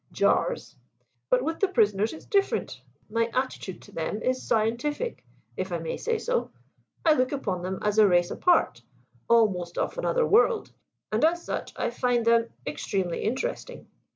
jars. But with the prisoners it's different, my attitude to them is scientific, if I may say so. I look upon them as a race apart, almost of another world, and as such I find them extremely interesting.